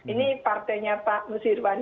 ini partenya pak musyirwan